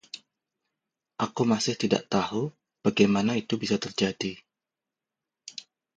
Aku masih tidak tahu bagaimana itu bisa terjadi.